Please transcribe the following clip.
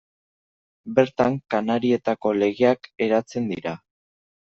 Bertan, Kanarietako legeak eratzen dira.